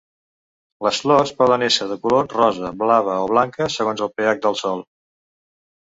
Les flors poden ésser de color rosa, blava o blanca segons el pH del sòl.